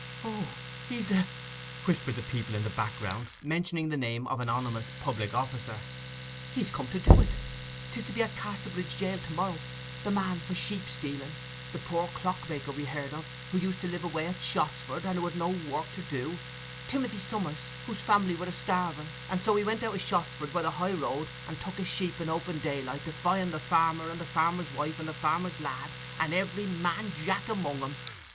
'O, he's the—!' whispered the people in the background, mentioning the name of an ominous public officer. 'He's come to do it! 'Tis to be at Casterbridge jail to morrow—the man for sheep stealing—the poor clock maker we heard of; who used to live away at Shottsford and had no work to do—Timothy Summers, whose family were a starving, and so he went out of Shottsford by the high road, and took a sheep in open daylight, defying the farmer and the farmer's wife and the farmer's lad, and every man jack among 'em.